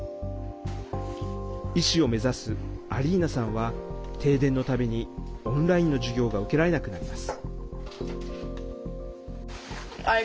医師を目指すアリーナさんは停電の度にオンラインの授業が受けられなくなります。